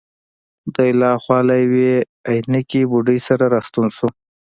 دی له هاخوا له یوې عینکې بوډۍ سره راستون شو.